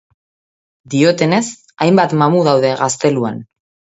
Diotenez hainbat mamu daude gazteluan.